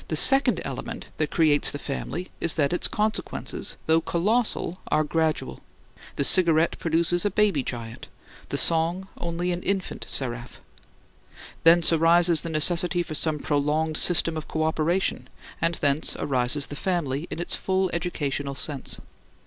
The second element that creates the family is that its consequences, though colossal, are gradual; the cigarette produces a baby giant, the song only an infant seraph. Thence arises the necessity for some prolonged system of co operation; and thence arises the family in its full educational sense.